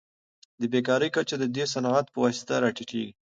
د بیکارۍ کچه د دې صنعتونو په واسطه راټیټیږي.